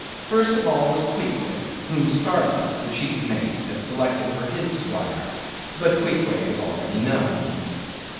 First of all was Queequeg, whom Starbuck, the chief mate, had selected for his squire. But Queequeg is already known.